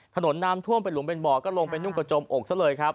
น้ำท่วมเป็นหุมเป็นบ่อก็ลงไปนุ่งกระจมอกซะเลยครับ